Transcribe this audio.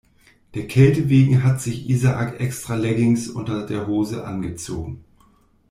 Der Kälte wegen hat sich Isaak extra Leggings unter der Hose angezogen.